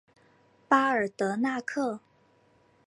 巴尔德纳克。